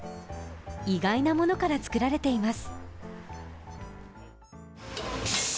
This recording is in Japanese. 意外なものから作られています。